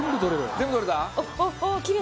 全部取れた！